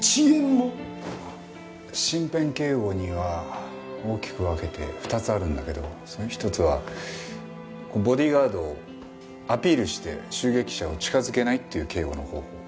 身辺警護には大きく分けて２つあるんだけどその１つはボディーガードをアピールして襲撃者を近づけないっていう警護の方法。